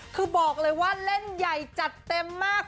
คือบอกเลยว่าเล่นใหญ่จัดเต็มมาก